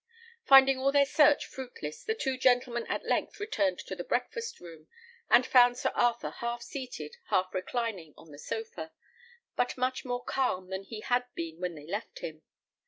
Finding all their search fruitless, the two gentlemen at length returned to the breakfast room, and found Sir Arthur half seated, half reclining on the sofa, but much more calm than he had been when they left him.